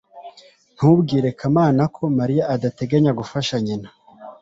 ntubwire kamana ko mariya adateganya gufasha nyina